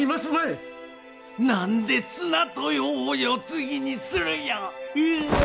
何で綱豊を世継ぎにするんや。